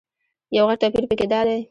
یو غټ توپیر په کې دادی.